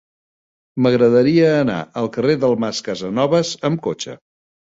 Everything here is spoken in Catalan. M'agradaria anar al carrer del Mas Casanovas amb cotxe.